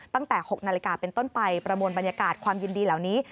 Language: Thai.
ตั้งแต่๖นาฬิกาเป็นต้นไปประมวลบรรยากาศความยินดีเหล่านี้